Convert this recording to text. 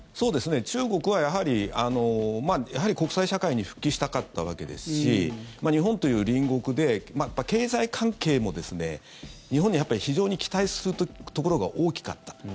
中国はやはり国際社会に復帰したかったわけですし日本という隣国で経済関係も日本に非常に期待するところが大きかった。